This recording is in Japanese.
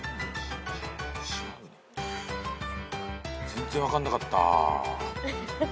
全然分かんなかった。